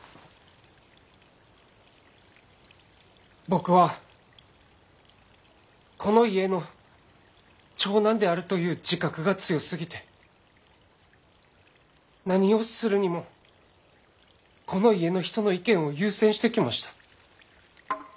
僕はこの家の長男であるという自覚が強すぎて何をするにもこの家の人の意見を優先してきました。